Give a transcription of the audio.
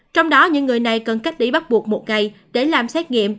trong đó những người này cần cách ly bắt buộc một ngày để làm xét nghiệm